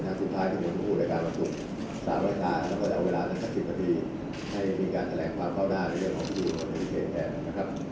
ให้มีการแสดงความเข้าหน้าในเรื่องของวิทยุและวิทยุแทนแกรมนะครับ